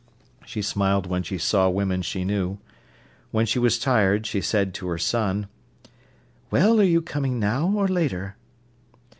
She smiled when she saw women she knew. When she was tired she said to her son: "Well, are you coming now, or later?"